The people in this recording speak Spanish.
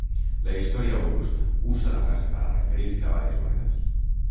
La "Historia Augusta" usa la frase para referirse a varias monedas.